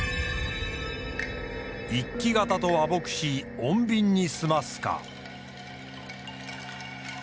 一揆方と和睦し穏便に済ますか。